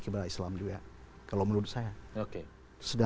kepada islam juga kalau menurut saya